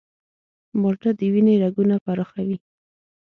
مالټه د وینې رګونه پراخوي.